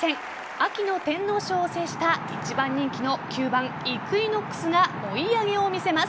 秋の天皇賞を制した１番人気の９番イクイノックスが追い上げを見せます。